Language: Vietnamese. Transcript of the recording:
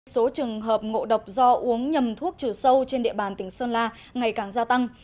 số trường hợp ngộ độc do uống nhầm thuốc trừ sâu trên địa bàn tỉnh sơn la ngày càng gia tăng